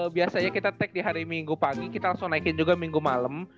biasanya kita take di hari minggu pagi kita langsung naikin juga minggu malam